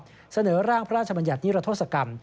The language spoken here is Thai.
หน้าที่โดนวิชอบเสนอร่างพระราชบัญญัตินิรัติศกรรม